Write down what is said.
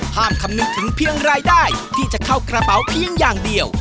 คำนึงถึงเพียงรายได้ที่จะเข้ากระเป๋าเพียงอย่างเดียว